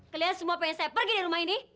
kalian semua pengen saya pergi di rumah ini